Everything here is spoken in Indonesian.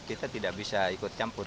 kita tidak bisa ikut campur